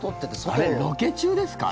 あれ、ロケ中ですか？